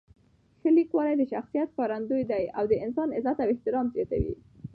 ښه لیکوالی د شخصیت ښکارندوی دی او د انسان عزت او احترام زیاتوي.